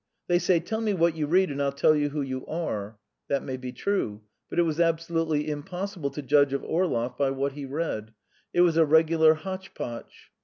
They say: "Tell me what you read, and I'll tell you who you are." That may be true, but it was absolutely impossible to judge of Orlov by what he read. It was a regular hotchpotch.